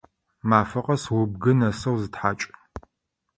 Мафэ къэс убгы нэсэу зытхьакӏ!